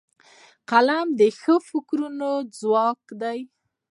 قلم د ښو فکرونو ځواک دی